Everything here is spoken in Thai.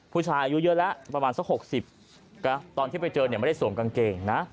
ผู้ชายอายุเยอะแล้วประมาณสัก๖๐ตอนที่ไปเจอเนี่ยไม่ได้สวมกางเกงนะ